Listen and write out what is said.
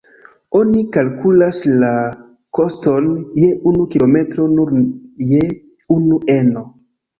Oni kalkulas la koston je unu kilometro nur je unu eno.